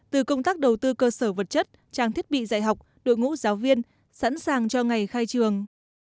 từ công tác đầu tư cơ sở vật chất trang thiết bị dạy học đội ngũ giáo viên sẵn sàng cho ngày khai trường